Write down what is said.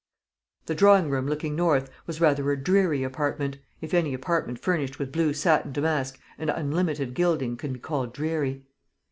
The drawing room looking north was rather a dreary apartment, if any apartment furnished with blue satin damask and unlimited gilding can be called dreary.